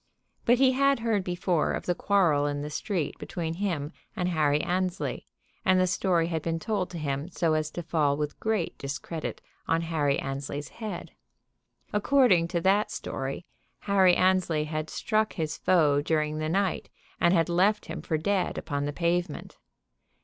But he had heard before that of the quarrel in the street between him and Harry Annesley; and the story had been told to him so as to fall with great discredit on Harry Annesley's head. According to that story Harry Annesley had struck his foe during the night and had left him for dead upon the pavement.